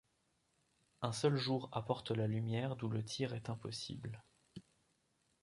Un seul jour apporte la lumière d'où le tir est impossible.